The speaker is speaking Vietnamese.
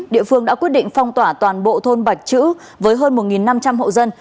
địa phương đã quyết định phong tỏa toàn bộ thôn bạch chữ với hơn một năm trăm linh hộ dân